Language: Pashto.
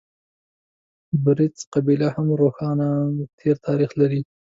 بړېڅ قبیله هم روښانه تېر تاریخ لري.